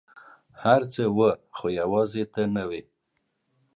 هر څه وه ، خو یوازي ته نه وې !